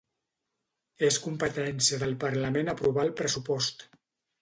És competència del parlament aprovar el pressupost